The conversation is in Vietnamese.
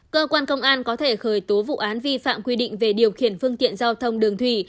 cơ quan công an có thể khởi tố vụ án vi phạm quy định về điều khiển phương tiện giao thông đường thủy